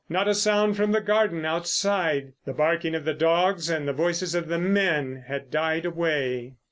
Not a sound from the garden outside. The barking of the dogs and the voices of the men had died away.